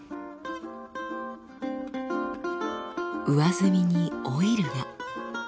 上澄みにオイルが。